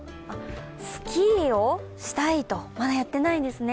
スキーをしたいと、まだやってないんですね。